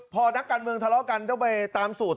พอนักการเมืองทะเลาะกันต้องไปตามสูตร